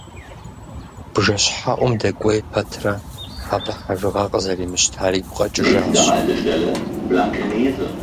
Бжэщхьэӏум дэкӏуей пэтрэ, абы хьэжыгъэ къызэримыщтар игу къэкӏыжащ.